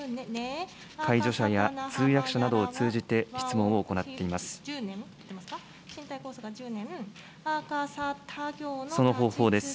介助者や通訳者などを通じて、質問を行っています。